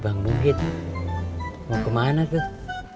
bang lukit mau kemana tuh